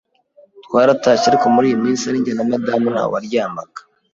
twaratashye ariko muri iyo minsi ari njye na madamu ntawaryamaga